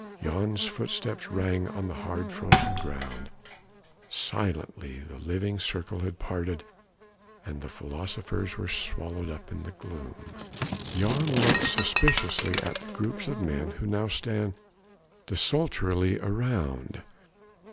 Jan's footsteps rang on the hard frozen ground silently the living circle had parted and the philosophers were swallowed up by the gloom. Jan looks suspiciously at the groups of men who now stand desultorily around.